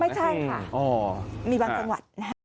ไม่ใช่ค่ะมีบางจังหวัดนะฮะ